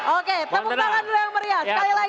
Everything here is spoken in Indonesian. oke tepuk tangan dulu yang meriah sekali lagi